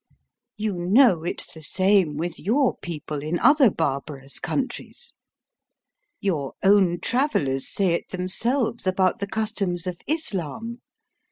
You know it's the same with your people in other barbarous countries. Your own travellers say it themselves about the customs of Islam.